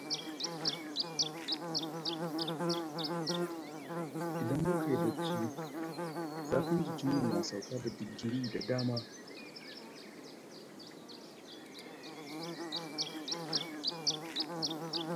Idan muka yi bacci, zafin jikinmu na sauka da digiri da dama.